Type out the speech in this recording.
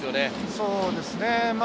そうですね。